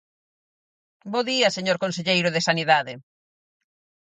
Bo día, señor conselleiro de Sanidade.